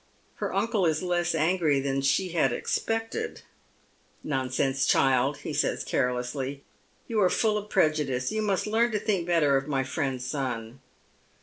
Her uncle is less angry than she had expected. " Nonsense, child !" he says carelessly. You are full of prejudice. You must learn to think better of my friend's son."